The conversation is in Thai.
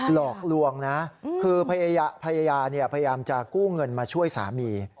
หลอกลวงนะคือพยายามจะกู้เงินมาช่วยสามี